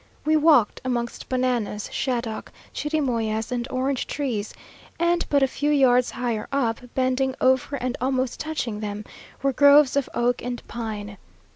We walked amongst bananas, shaddock, chirimoyas, and orange trees, and but a few yards higher up, bending over and almost touching them, were groves of oak and pine.